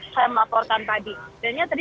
saya melaporkan tadi